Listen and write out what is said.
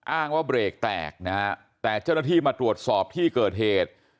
อ้างว่าเบรกแตกนะฮะแต่เจ้าหน้าที่มาตรวจสอบที่เกิดเหตุ